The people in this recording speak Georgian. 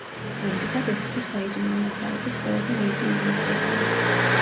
ამრიგად, ეს იყო „საიდუმლო მასალების“ ყველაზე რეიტინგული სეზონი.